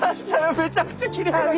めちゃくちゃきれいな川が。